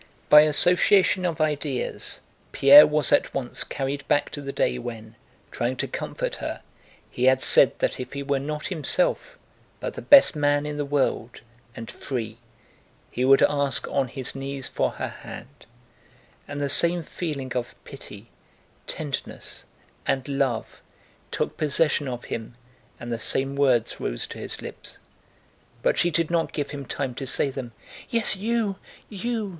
By association of ideas, Pierre was at once carried back to the day when, trying to comfort her, he had said that if he were not himself but the best man in the world and free, he would ask on his knees for her hand; and the same feeling of pity, tenderness, and love took possession of him and the same words rose to his lips. But she did not give him time to say them. "Yes, you... you..."